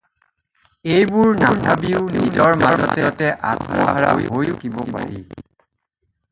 এইবোৰ নাভাবিও নিজৰ মাজতে আত্মহাৰা হৈও থাকিব পাৰি।